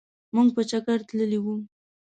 مونږ په چکرتللي وو.